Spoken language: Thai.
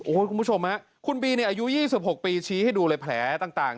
คุณผู้ชมฮะคุณบีเนี่ยอายุ๒๖ปีชี้ให้ดูเลยแผลต่าง